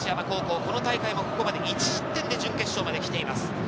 この大会もここまで１失点で準決勝まできています。